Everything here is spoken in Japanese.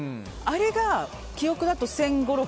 あれが記憶だと１５００１６００円。